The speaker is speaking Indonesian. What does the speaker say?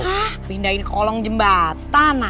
ah pindahin ke kolong jembatan